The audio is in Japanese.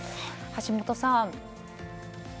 橋下さん。